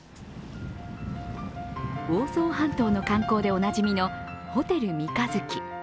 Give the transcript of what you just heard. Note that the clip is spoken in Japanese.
房総半島の観光でおなじみのホテル三日月。